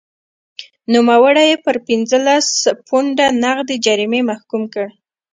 نوموړی یې پر پنځلس پونډه نغدي جریمې محکوم کړ.